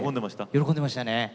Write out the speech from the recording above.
喜んでましたね。